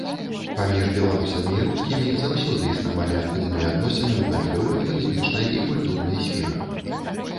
Паміж беларусамі і рускімі заўсёды існавалі актыўныя адносіны ў гандлёвай, палітычнай і культурнай сферах.